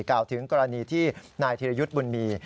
กล่าวถึงกรณีที่นายธิรยุทธ์บุญมี